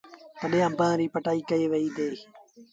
تڏهيݩ آݩبآݩ ريٚ پٽآئيٚ ڪئيٚ وهي ديٚ۔